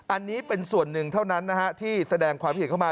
อันนี้เป็นส่วนหนึ่งเท่านั้นนะฮะที่แสดงความคิดเห็นเข้ามา